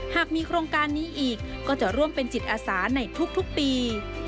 หากมีโครงการนี้อีกก็จะร่วมเป็นจิตอาสาในทุกปี